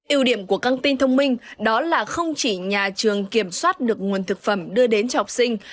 yêu điểm của căng tin thông minh đó là không chỉ nhà trường kiểm soát được nguồn thực phẩm đưa đến cho học sinh